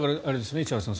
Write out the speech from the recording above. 石原さん